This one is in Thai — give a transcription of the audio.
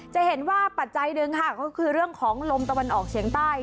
จะเห็นว่าปัจจัยหนึ่งค่ะก็คือเรื่องของลมตะวันออกเฉียงใต้